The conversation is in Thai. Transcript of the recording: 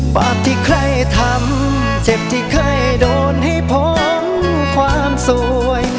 ปากที่ใครทำเจ็บที่เคยโดนให้พ้นความสวย